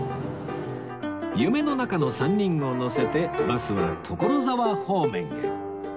夢の中の３人を乗せてバスは所沢方面へ